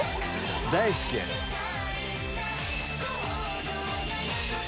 大好きやねん。